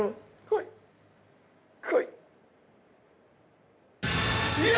こい！